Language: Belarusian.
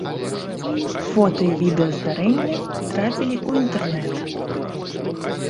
Фота і відэа здарэння трапілі ў інтэрнэт.